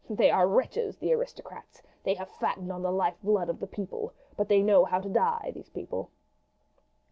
They are wretches, the aristocrats. They have fattened on the life blood of the people; but they know how to die, these people."